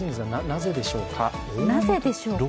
なぜでしょうか。